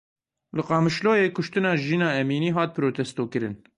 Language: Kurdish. Li Qamişloyê kuştina Jîna Emînî hat protestokirin.